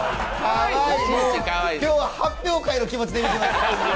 今日は発表会の気持ちできています。